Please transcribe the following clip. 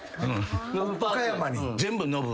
岡山に。